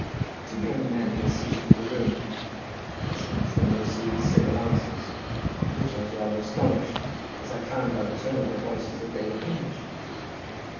Two young men were seated in the room. I spoke to them and received civil answers, at which I was rather astonished, as I found by the tone of their voices that they were English.